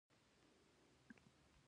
سمندر نه شتون د افغانانو ژوند اغېزمن کوي.